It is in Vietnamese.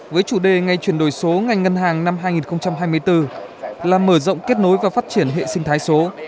với chủ đề ngay chuyển đổi số ngành ngân hàng năm hai nghìn hai mươi bốn là mở rộng kết nối và phát triển hệ sinh thái số